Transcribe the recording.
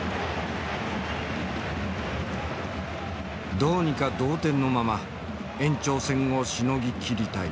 どうにか同点のまま延長戦をしのぎきりたい。